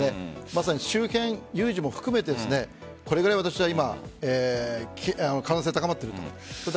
まさに周辺有事も含めてこれくらい私は今可能性が高まっていると。